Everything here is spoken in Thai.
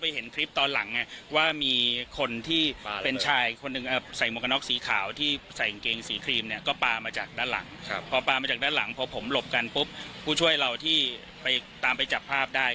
เพราะว่าเราไปเห็นคลิปตอนหลังเนี่ย